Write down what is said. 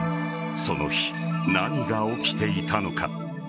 その日、何が起きていたのか。